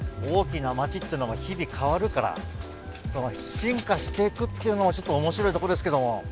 大きな街ってのは日々変わるから進化していくっていうのもちょっと面白いとこですけども。